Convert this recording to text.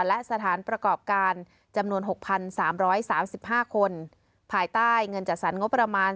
และสถานประกอบการจำนวน๖๓๓๕คนภายใต้เงินจัดสรรงบประมาณ